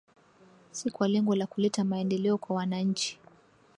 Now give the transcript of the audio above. si kwa lengo la kuleta maendeleo kwa wananchi